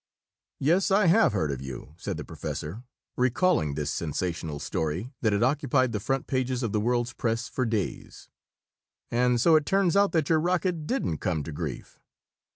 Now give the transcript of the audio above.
"Yes, I have heard of you," said the professor, recalling this sensational story that had occupied the front pages of the world's press for days. "And so it turns out that your rocket didn't come to grief."